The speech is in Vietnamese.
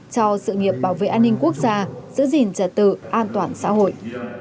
cho sự nghiệp bảo vệ an ninh quốc gia giữ gìn trật tự an toàn xã hội